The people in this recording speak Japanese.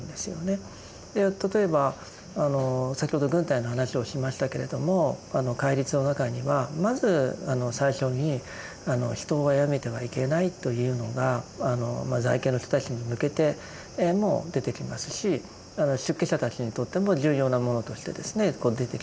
例えば先ほど軍隊の話をしましたけれども戒律の中にはまず最初に「人を殺めてはいけない」というのが在家の人たちに向けても出てきますし出家者たちにとっても重要なものとして出てきます。